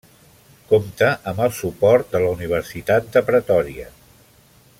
Compta amb el suport de la Universitat de Pretòria.